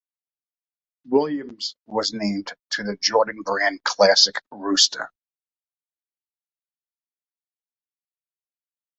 Williams was named to the Jordan Brand Classic roster.